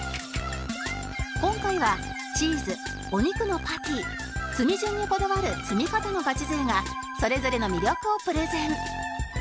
今回はチーズお肉のパティ積み順にこだわる積み方のガチ勢がそれぞれの魅力をプレゼン